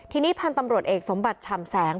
ทีนี้พันธุ์ตำรวจเอกสมบัติฉ่ำแสง